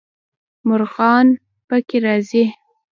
مرغان پکې راځي.